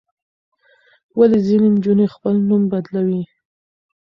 ولې ځینې نجونې خپل نوم بدلوي؟